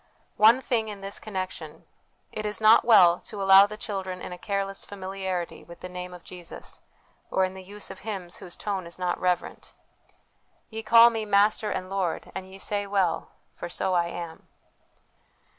One thing in this connection : it is not well to allow the children in a careless familiarity with the Name of Jesus, or in the use of hymns whose tone is not reverent. " Ye call Me Master and Lord ; and ye say well, for so I am."